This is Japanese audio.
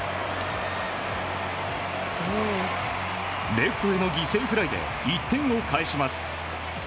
レフトへの犠牲フライで１点を返します。